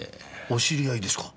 お知り合いですか？